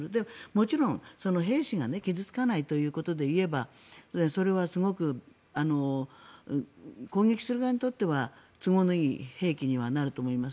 もちろん、兵士が傷付かないということで言えばそれはすごく攻撃する側にとっては都合のいい兵器にはなると思います。